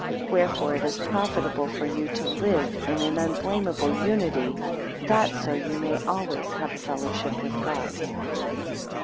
17 Wherefore it is profitable for you to live in an unblameable unity, that so ye may always have a fellowship with God.